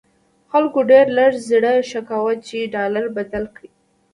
خلکو ډېر لږ زړه ښه کاوه چې ډالر بدل کړي.